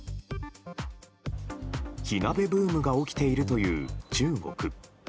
火鍋ブームが起きているという中国。